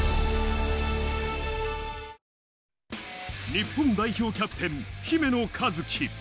日本代表キャプテン・姫野和樹。